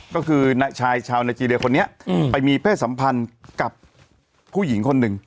ก็คือชายชาวไนเจรียคนนี้ไปมีเพศสัมพันธ์กับผู้หญิงคนหนึ่ง